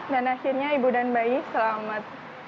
dan akhirnya ibu dan bayi selamat